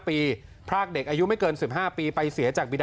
สื่อนั่งรอคุณนั่งรอทำข่าวนี้๓ชั่วโมงนะ